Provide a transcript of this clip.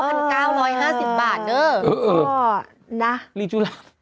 ๙๙๕๐บาทเออ